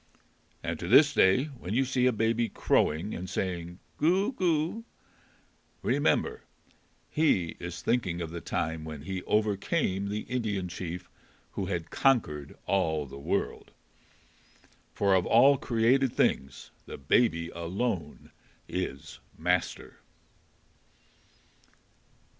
And to this day when you see a baby crowing and saying "Goo, goo!" remember he is thinking of the time when he overcame the Indian chief who had conquered all the world. For of all created things the Baby alone is master.